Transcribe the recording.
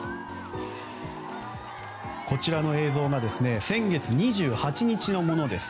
こちらの映像が先月２８日のものです。